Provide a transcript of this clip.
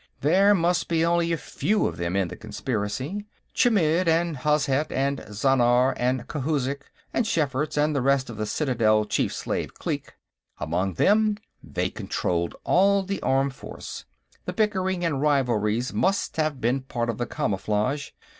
There must be only a few of them in the conspiracy. Chmidd and Hozhet and Zhannar and Khouzhik and Schferts and the rest of the Citadel chief slave clique. Among them, they controlled all the armed force. The bickering and rivalries must have been part of the camouflage.